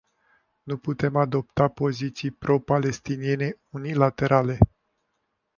Nu putem adopta poziții pro-palestiniene unilaterale.